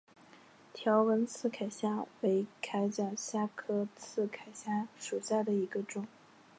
条纹刺铠虾为铠甲虾科刺铠虾属下的一个种。